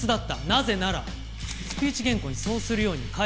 なぜならスピーチ原稿にそうするように書いてあったから。